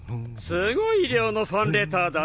すごい量のファンレターだね。